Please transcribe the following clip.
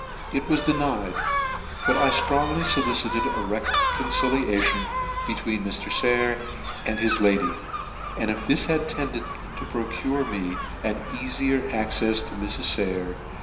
It was denied ; but I ftrongly folicite4 a reconciliation between Mr. Saycr and his lady, and if this had tended to procure me an eafier accefs to Mrs. Sayer